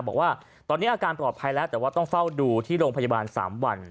บอกว่าตอนนี้อาการปลอดภัยแล้วแต่ว่าต้องเฝ้าดูที่โรงพยาบาล๓วัน